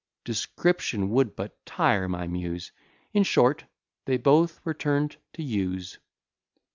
Description would but tire my Muse, In short, they both were turn'd to yews.